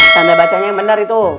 tanda bacanya yang benar itu